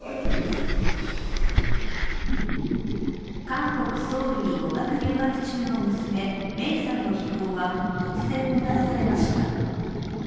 韓国・ソウルに語学留学中の娘・芽生さんの悲報は突然、もたらされました。